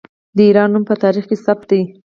د ایران نوم په تاریخ کې ثبت دی.